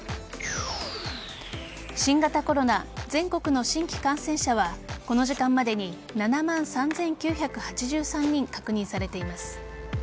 新型コロナ全国の新規感染者はこの時間までに７万３９８３人確認されています。